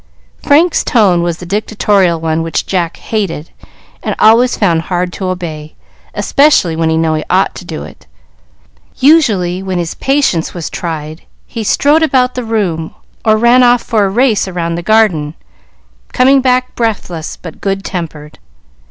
Frank's tone was the dictatorial one, which Jack hated and always found hard to obey, especially when he knew he ought to do it. Usually, when his patience was tried, he strode about the room, or ran off for a race round the garden, coming back breathless, but good tempered.